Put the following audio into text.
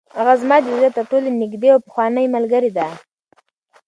هغه زما د زړه تر ټولو نږدې او پخوانۍ ملګرې ده.